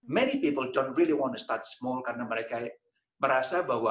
banyak orang tidak ingin mulai kecil karena mereka merasa bahwa